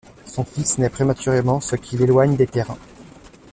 Son fils nait prématurément ce qui l’éloigne des terrains.